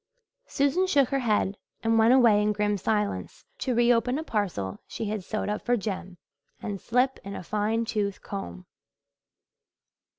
Susan shook her head and went away in grim silence to re open a parcel she had sewed up for Jem and slip in a fine tooth comb.